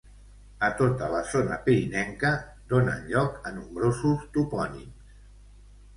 A tota la zona pirinenca donen lloc a nombrosos topònims.